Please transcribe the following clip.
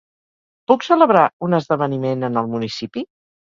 Puc celebrar un esdeveniment en el municipi?